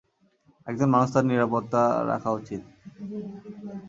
একজন মানুষ তার নিরাপত্তা রাখা উচিত।